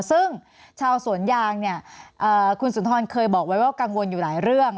ซึ่งชาวสวนยางเนี่ยคุณสุนทรเคยบอกไว้ว่ากังวลอยู่หลายเรื่อง